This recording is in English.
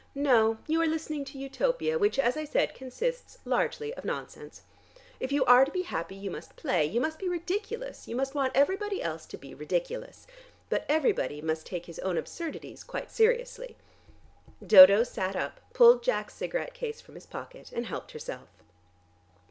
"No, you are listening to Utopia, which as I said, consists largely of nonsense. If you are to be happy, you must play, you must be ridiculous, you must want everybody else to be ridiculous. But everybody must take his own absurdities quite seriously." Dodo sat up, pulled Jack's cigarette case from his pocket and helped herself.